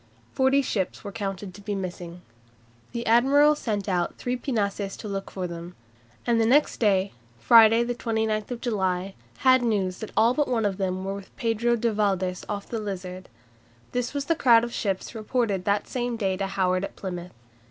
Forty ships were counted to be missing." The admiral sent out three pinnaces to look for them, and next day, Friday, 29 July (19 July, O.S.), had news that all but one of them were with Pedro de Valdes off the Lizard. This was the crowd of ships reported that same day to Howard at Plymouth.